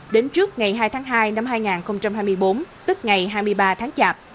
đến trước ngày hai tháng hai năm hai nghìn hai mươi bốn tức ngày hai mươi ba tháng chạp